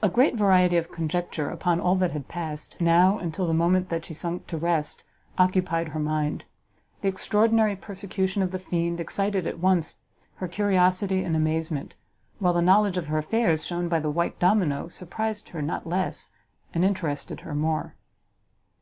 A great variety of conjecture upon all that had passed, now, and till the moment that she sunk to rest, occupied her mind; the extraordinary persecution of the fiend excited at once her curiosity and amazement, while the knowledge of her affairs shown by the white domino surprised her not less, and interested her more.